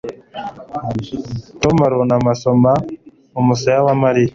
Tom arunama asoma umusaya wa Mariya